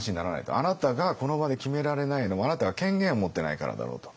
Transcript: あなたがこの場で決められないのはあなたが権限を持ってないからだろうと。